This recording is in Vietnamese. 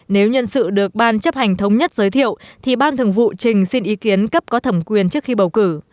nếu nhân sự được ban chấp hành thống nhất giới thiệu thì ban thường vụ trình xin ý kiến cấp có thẩm quyền trước khi bầu cử